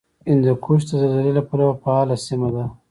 هندوکش د زلزلې له پلوه فعاله سیمه ده